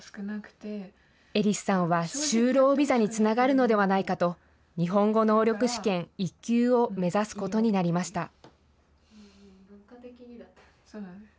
エリスさんは就労ビザにつながるのではないかと、日本語能力試験１級を目指すことになりました。